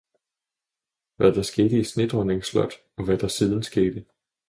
Hvad der skete i snedronningens slot, og hvad der siden skete.